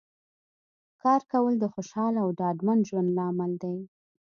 کار کول د خوشحاله او ډاډمن ژوند لامل دی